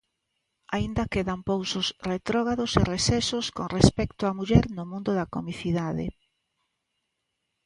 Aínda quedan pousos retrógrados e resesos con respecto á muller no mundo da comicidade.